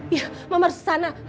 iya mama harus kesana